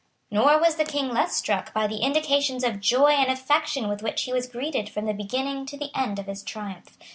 Nor was the King less struck by the indications of joy and affection with which he was greeted from the beginning to the end of his triumph.